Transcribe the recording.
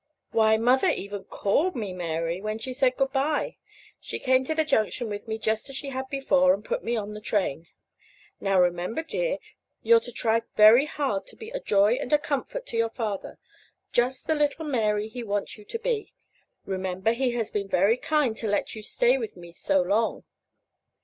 Why, Mother even called me Mary when she said good bye. She came to the junction with me just as she had before, and put me on the other train. "Now, remember, dear, you're to try very hard to be a joy and a comfort to your father just the little Mary that he wants you to be. Remember, he has been very kind to let you stay with me so long."